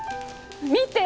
見て！